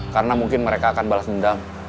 karena mungkin mereka akan balas dendam